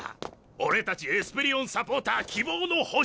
俺たちエスペリオンサポーター希望の星！